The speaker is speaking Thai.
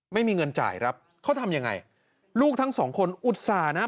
ไม่มีเงินจ่ายครับเขาทำยังไงลูกทั้งสองคนอุตส่าห์นะ